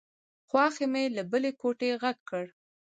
خواښې مې له بلې کوټې غږ کړ.